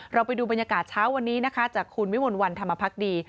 เราไปดูบรรยากาศเช้าวันนี้นะคะจากคุณวิมลวันธรรมพักดี